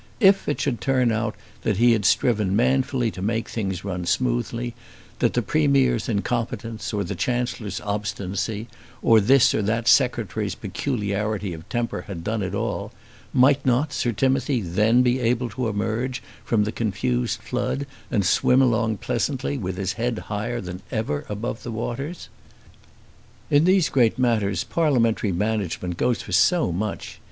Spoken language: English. If it should turn out that he had striven manfully to make things run smoothly; that the Premier's incompetence, or the Chancellor's obstinacy, or this or that Secretary's peculiarity of temper had done it all; might not Sir Timothy then be able to emerge from the confused flood, and swim along pleasantly with his head higher than ever above the waters? In these great matters parliamentary management goes for so much!